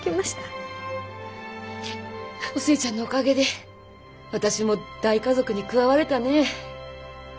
お寿恵ちゃんのおかげで私も大家族に加われたね。